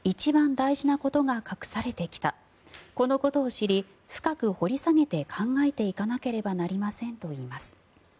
大事なことが隠されてきたこのことを知り、深く掘り下げて考えていかなければなりませんといいます。